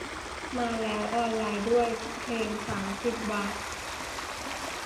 มาแล้ว ออนไลน์ด้วย สามเพลงสามสิบบาท